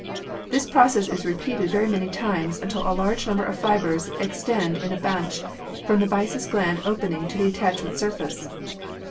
This process is repeated very many times, until a large number of fibres extend in a bunch from the byssus gland opening to the attach ment surface.